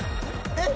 えっ？